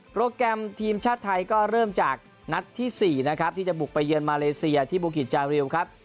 แกรมทีมชาติไทยก็เริ่มจากนัดที่๔นะครับที่จะบุกไปเยือนมาเลเซียที่บุกิจจาริวครับ